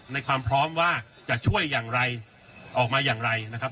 ในความพร้อมว่าจะช่วยอย่างไรออกมาอย่างไรนะครับ